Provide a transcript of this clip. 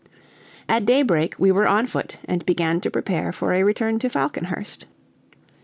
At daybreak we were on foot, and began to prepare for a return to Falconhurst.